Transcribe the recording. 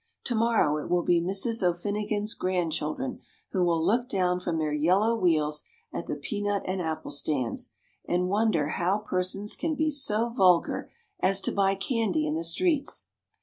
To morrow it will be Mrs. O'Finnigan's grandchildren who will look down from their yellow wheels at the peanut and apple stands, and wonder how persons can be so vulgar as to buy candy in the streets.